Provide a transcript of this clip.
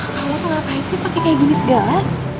kamu tuh ngapain sih pake gini segala